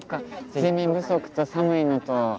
睡眠不足と寒いのと。